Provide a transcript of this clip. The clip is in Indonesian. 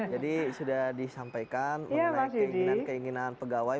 jadi sudah disampaikan mengenai keinginan keinginan pegawai